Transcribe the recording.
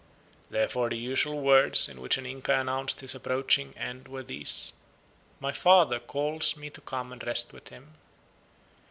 Therefore the usual words in which an Inca announced his approaching end were these: "My father calls me to come and rest with him."